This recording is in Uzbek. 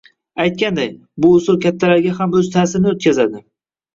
Aytganday, bu usul kattalarga ham o‘z ta’sirini o‘tkazadi!